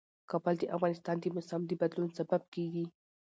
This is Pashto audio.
کابل د افغانستان د موسم د بدلون سبب کېږي.